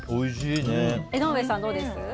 江上さん、どうです？